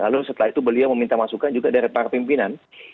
lalu setelah itu beliau meminta masukan juga dari para pimpinan